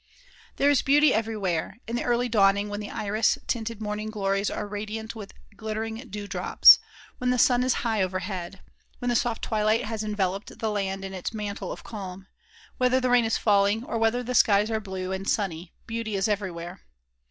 There is beauty everywhere in the early dawning when the iris tinted morning glories are radiant with glittering dew drops; when the sun is high overhead; when the soft twilight has enveloped the land in its mantle of calm; whether the rain is falling or whether the skies are blue and sunny beauty is everywhere.